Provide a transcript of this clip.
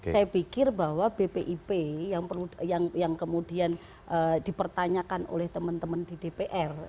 saya pikir bahwa bpip yang kemudian dipertanyakan oleh teman teman di dpr